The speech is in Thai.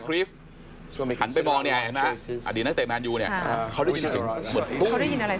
เขามีอะไรสักอย่าง